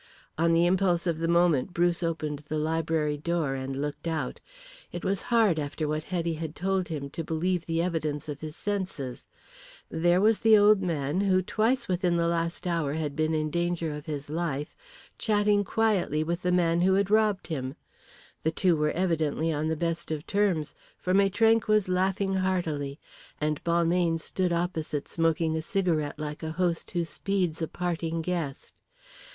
On the impulse of the moment Bruce opened the library door and looked out. It was hard after what Hetty had told him to believe the evidence of his senses. There was the man who twice within the last hour had been in danger of his life chatting quietly with the man who had robbed him. The two were evidently on the best of terms, for Maitrank was laughing heartily, and Balmayne stood opposite smoking a cigarette like a host who speeds a parting guest.